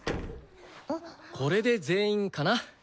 これで全員かな？